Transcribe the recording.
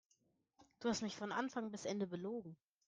Du hast mich von Anfang bis Ende belogen.